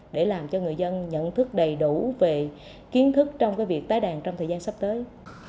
để làm cho người dân nhận thức đầy đủ về kiến thức trong việc tái đàn trong thời gian sắp tới